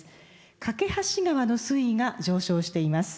梯川の水位が上昇しています。